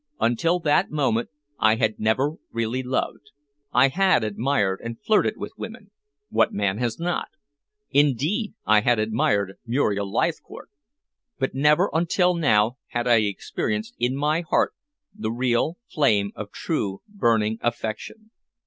Until that moment I had never really loved. I had admired and flirted with women. What man has not? Indeed, I had admired Muriel Leithcourt. But never until now had I experienced in my heart the real flame of true burning affection.